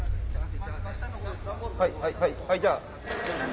はいはいはいじゃあ。